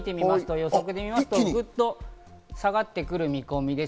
予測を見ますと一気に下がってくる見込みです。